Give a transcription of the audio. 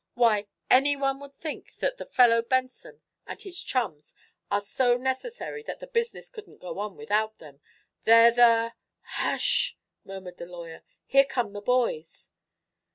Why, anyone would think that the fellow Benson and his chums are so necessary that the business couldn't go on without them. They're the " "Hush!" murmured the lawyer. "Here come the boys."